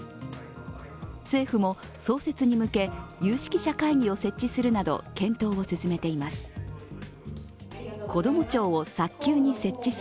政府も創設に向け、有識者会議を設置するなど検討を進めています。